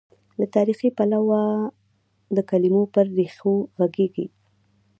له تاریخي، پلوه د کلمو پر ریښو غږېږي.